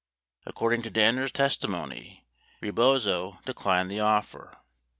81 According to Danner's testi mony, Rebozo declined the offer.